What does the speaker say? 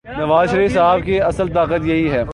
نوازشریف صاحب کی اصل طاقت یہی ہے۔